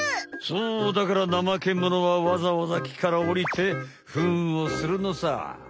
そうだからナマケモノはわざわざ木からおりてフンをするのさ。